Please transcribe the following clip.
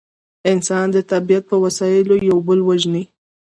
انسانان د طبیعت په وسایلو یو بل وژني